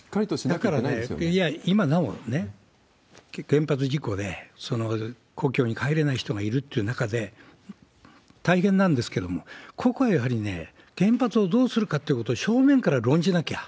だからね、今なおね、原発事故で故郷に帰れない人がいるっていう中で、大変なんですけれども、ここはやはりね、原発をどうするかってことを正面から論じなきゃ。